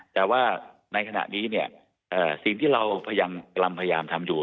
แต่ว่าในขณะนี้เนี่ยสิ่งที่เราพยายามทำอยู่